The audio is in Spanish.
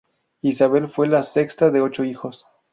Isabel fue la sexta de ocho hijos.